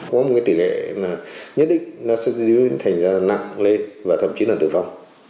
có một tỷ lệ nhất định là sẽ diễn ra nặng lên và thậm chí là tử vong